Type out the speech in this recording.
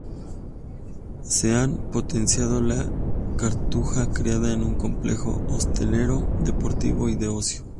Se ha potenciado la Cartuja creando un complejo hostelero, deportivo y de ocio.